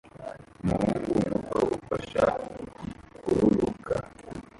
Umuhungu muto ufashe igikururuka